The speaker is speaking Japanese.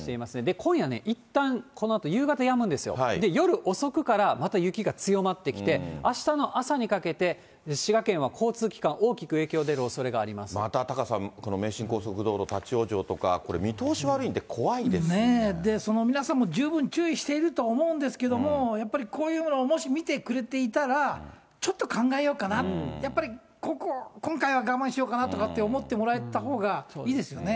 今夜、いったん、このあと夕方やむんですよ、夜遅くから、また雪が強まってきて、あしたの朝にかけて、滋賀県は交通機関、またタカさん、名神高速道路、立往生とか、これ、皆さんも十分注意していると思うんですけれども、やっぱりこういうのをもし見てくれていたら、ちょっと考えようかな、やっぱり今回は我慢しようかなとか思ってもらえた方がいいですよ